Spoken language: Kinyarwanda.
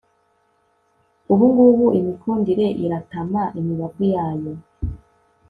ubu ngubu imikunde iratama imibavu yayo